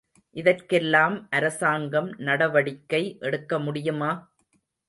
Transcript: இதற்கெல்லாம் அரசாங்கம் நடவடிக்கை எடுக்க முடியுமா?